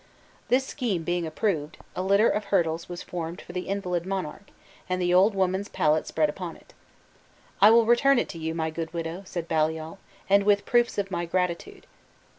This scheme being approved, a litter of hurdles was formed for the invalid monarch, and the old woman's pallet spread upon it. "I will return it to you, my good widow," said Baliol, "and with proofs of my gratitude."